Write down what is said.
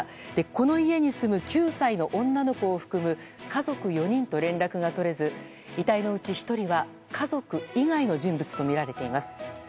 この家に住む９歳の女の子を含む家族４人と連絡が取れず遺体のうち１人は家族以外の人物とみられています。